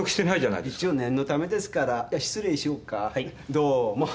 どうも。